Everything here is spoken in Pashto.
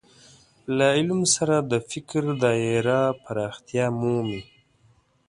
له علم سره د فکر دايره پراختیا مومي.